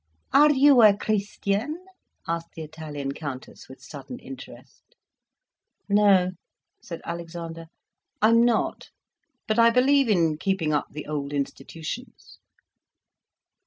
"Are you a Christian?" asked the Italian Countess, with sudden interest. "No," said Alexander. "I'm not. But I believe in keeping up the old institutions."